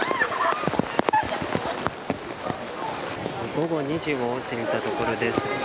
午後２時をすぎたところです。